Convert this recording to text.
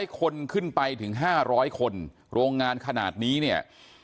คนขึ้นไปถึง๕๐๐คนโรงงานขนาดนี้เนี่ย